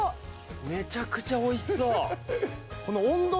めちゃくちゃおいしそう。